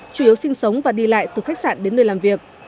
chủ yếu sinh sống và đi lại từ khách sạn đến nơi làm việc